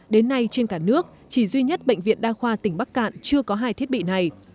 đến nay trên cả nước chỉ duy nhất bệnh viện đa khoa tỉnh bắc cạn chưa có hai thiết bị này